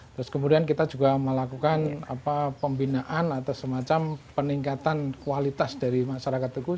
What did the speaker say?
terus kemudian kita juga melakukan pembinaan atau semacam peningkatan kualitas dari masyarakat teguh